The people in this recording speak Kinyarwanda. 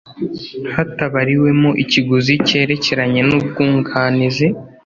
hatabariwemo ikiguzi cyerekeranye n ubwunganizi